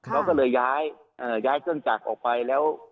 เราก็เลยย้ายเครื่องจักรออกไปแล้ว